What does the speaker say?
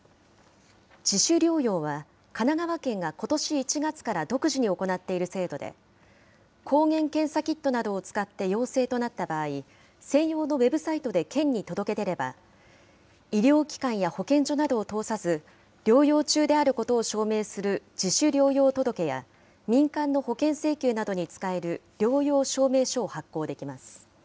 自主療養は、神奈川県がことし１月から独自に行っている制度で、抗原検査キットなどを使って陽性となった場合、専用のウェブサイトで県に届け出れば、医療機関や保健所などを通さず、療養中であることを証明する自主療養届や、民間の保険請求などに使える療養証明書を発行できます。